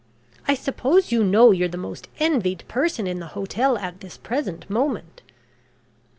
"I suppose you know you're the most envied person in the hotel at this present moment?"